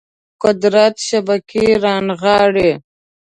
قدرت شبکې رانغاړي